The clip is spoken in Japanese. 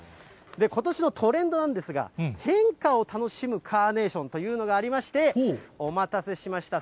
ことしのトレンドなんですが、変化を楽しむカーネーションというのがありまして、お待たせしました。